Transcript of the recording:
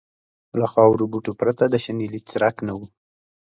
له خارو بوټو پرته د شنیلي څرک نه و.